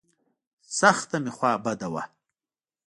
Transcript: سخته مې خوا بده وه.